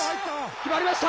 決まりました！